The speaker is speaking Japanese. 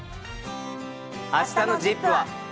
あしたのＺＩＰ！は。